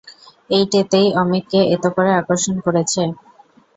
এইটেতেই অমিতকে এত করে আকর্ষণ করেছে।